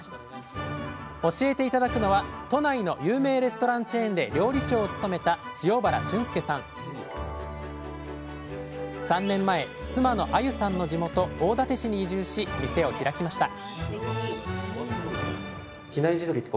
教えて頂くのは都内の有名レストランチェーンで料理長を務めた３年前妻の愛結さんの地元大館市に移住し店を開きました